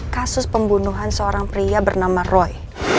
kasus pembunuhan seorang pria bernama roy